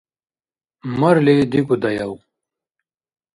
Марли дикӀудаяв?!